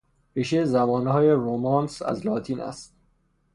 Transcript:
ریشهی زبانهای رمانس از لاتین است.